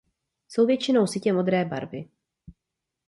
Jsou většinou sytě modré barvy.